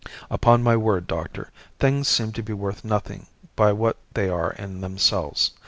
Upon my word, doctor, things seem to be worth nothing by what they are in themselves.